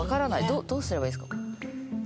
どうすればいいですか？